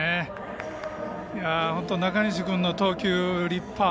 中西君の投球、立派。